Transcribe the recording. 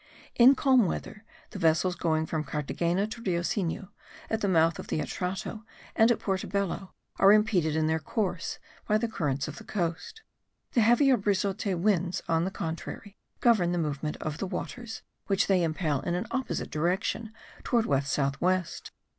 In calm weather, the vessels going from Carthagena to Rio Sinu, at the mouth of the Atrato and at Portobello, are impeded in their course by the currents of the coast. The heavy or brizote winds, on the contrary, govern the movement of the waters, which they impel in an opposite direction, towards west south west.